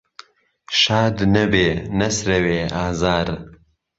شاد نهبێ، نهسرهوێ ئازار